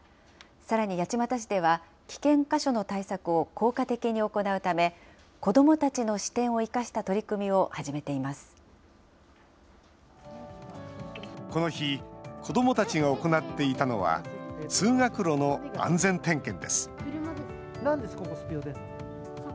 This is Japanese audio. さらに八街市では、危険箇所の対策を効果的に行うため、子どもたちの視点を生かしたこの日、子どもたちが行っていたのは、通学路の安全点検です。